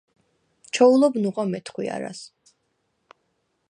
ჩოულობ ნუღვა მეთხვიარას: